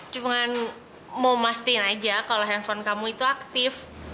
cuma mau mastiin aja kalau handphone kamu itu aktif